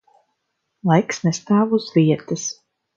Laiks nestāv uz vietas.